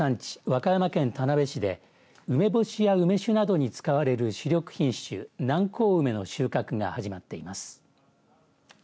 和歌山県田辺市で梅干しや梅酒などに使われる主力品種南高梅の収穫が始まっています。